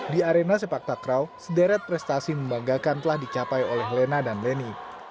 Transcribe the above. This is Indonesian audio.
di arena sepak takraw sederet prestasi membanggakan telah dicapai oleh lena dan leni